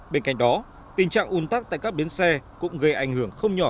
bên cạnh đó tình trạng un tắc tại các bến xe cũng gây ảnh hưởng không nhỏ